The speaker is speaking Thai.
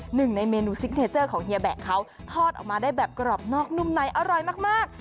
หนึ่งในเมนูซิกเทเจอร์ของเฮียแบะเขาทอดออกมาได้แบบกรอบนอกนุ่มในอร่อยมาก